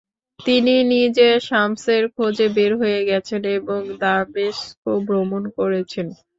তিনি নিজে শামসের খোঁজে বের হয়ে গেছেন এবং দামেস্ক ভ্রমণ করেছেন।